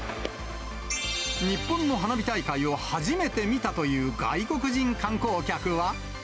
日本の花火大会を初めて見たという外国人観光客は。